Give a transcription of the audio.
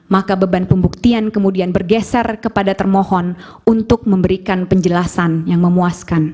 maka beban pembuktian kemudian bergeser kepada termohon untuk memberikan penjelasan yang memuaskan